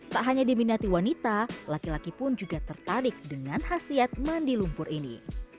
tak hanya diminati wanita laki laki pun juga tertarik dengan khasiat mandi lumpur ini